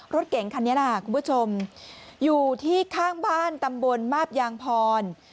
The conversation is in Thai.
รถเก๋งคันนี้แหละคุณผู้ชมอยู่ที่ข้างบ้านตำบลมาบยางพร